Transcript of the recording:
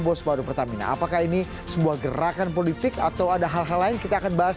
bos baru pertamina apakah ini sebuah gerakan politik atau ada hal hal lain kita akan bahas